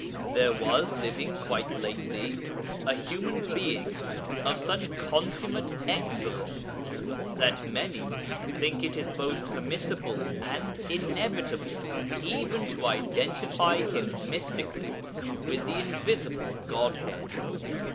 There was living quite lately a human being of such consummate excellence that many think it is both permissible and inevitable even to identify him mystically with the invisible Godhead.